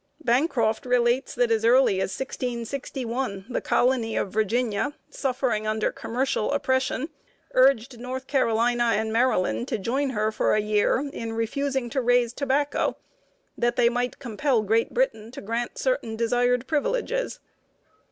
Bancroft relates that as early as 1661, the colony of Virginia, suffering under commercial oppression, urged North Carolina and Maryland to join her for a year in refusing to raise tobacco, that they might compel Great Britain to grant certain desired privileges.